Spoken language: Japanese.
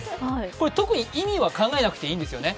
これ、特に意味は考えなくていいんですよね。